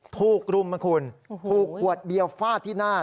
ถูกรุมควดเบียวฟาดที่หน้า